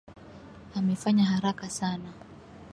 Amefanya haraka sana.